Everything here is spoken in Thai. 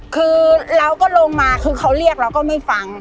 คือเราก็ลงมาคือเขาเรียกเราก็ไม่ฟัง